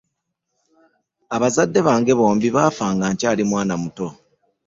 Abazadde bange bombi baafa nga nkyali mwana muto.